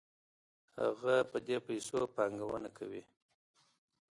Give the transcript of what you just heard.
هغه په دې پیسو پانګونه کوي